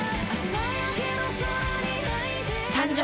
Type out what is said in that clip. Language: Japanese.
誕生。